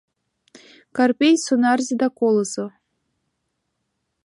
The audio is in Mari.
Карпей сонарзе да колызо.